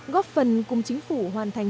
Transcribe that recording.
góp phần cùng chính phủ hoàn thành